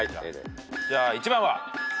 じゃあ１番は。